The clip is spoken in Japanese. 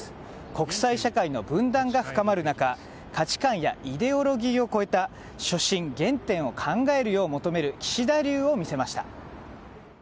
国際社会の分断が深まる中価値観やイデオロギーを超えた初心、原点を考えるよう求める岸田流を見せました。